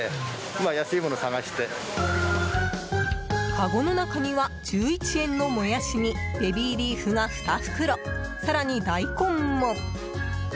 かごの中には１１円のモヤシにベビーリーフが２袋更に、ダイコンも。